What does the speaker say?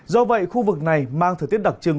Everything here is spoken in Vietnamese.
do vậy khu vực này mang thời tiết đặc trưng